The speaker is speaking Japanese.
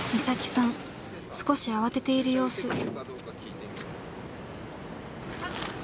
岬さん少し慌てている様子。